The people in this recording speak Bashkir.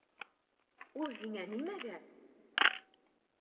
Ул һиңә нимәгә?